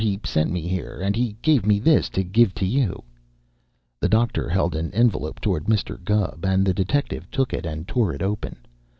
"He sent me here. And he gave me this to give to you." The doctor held an envelope toward Mr. Gubb, and the detective took it and tore it open.